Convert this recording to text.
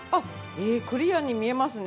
へえクリアに見えますね。